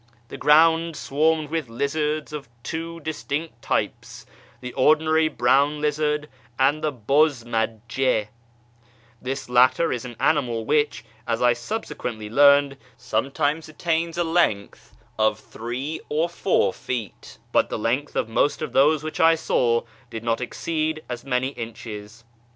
The ground swarmed with lizards of two distinct types, the ordinary brown lizard and the Buz majjL This latter is an animal which, as I subsequently learned, sometimes attains a length of three or four feet, but the length of most of those which I saw did not exceed as many inches.